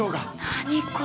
何これ。